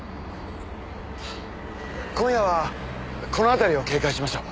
今夜はこの辺りを警戒しましょう。